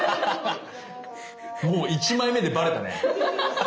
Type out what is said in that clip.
もう１枚目でバレたね。